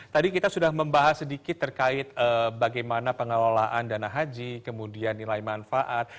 tadi kita sudah membahas sedikit terkait bagaimana pengelolaan dana haji kemudian nilai manfaat